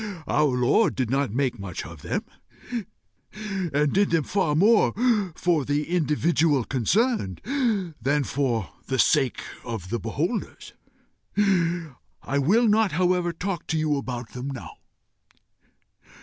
Our Lord did not make much of them, and did them far more for the individual concerned than for the sake of the beholders. I will not however talk to you about them now.